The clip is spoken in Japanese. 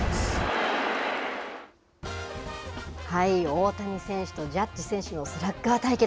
大谷選手とジャッジ選手のスラッガー対決。